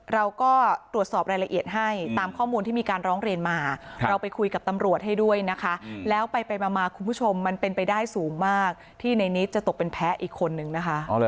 เราก็ตรวจสอบรายละเอียดให้ตามข้อมูลที่มีการร้องเรียนมาเราไปคุยกับตำรวจให้ด้วยนะคะแล้วไปมาคุณผู้ชมมันเป็นไปได้สูงมากที่ในนิดจะตกเป็นแพ้อีกคนนึงนะคะ